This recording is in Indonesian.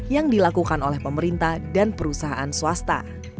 yang dilakukan oleh pemerintah dan perusahaan swasta